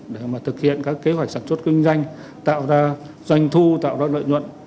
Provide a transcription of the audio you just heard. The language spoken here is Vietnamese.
để mà thực hiện các kế hoạch sản xuất kinh doanh tạo ra doanh thu tạo ra lợi nhuận